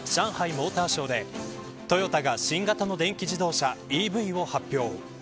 モーターショーでトヨタが新型の電気自動車ＥＶを発表。